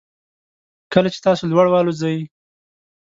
کله چې تاسو لوړ والوځئ